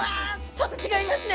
ちょっと違いますね。